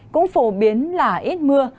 cũng phổ biến là ít mưa